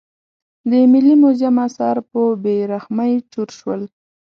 د ملي موزیم اثار په بې رحمۍ چور شول.